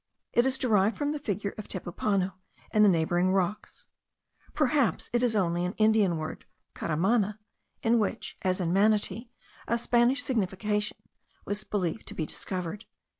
It is derived from the figure of Tepupano and the neighbouring rocks: perhaps it is only an Indian word caramana, in which, as in manati, a Spanish signification was believed to be discovered.)